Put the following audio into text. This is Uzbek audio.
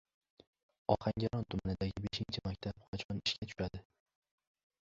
Ohangaron tumanidagi beshinchi maktab qachon ishga tushadi?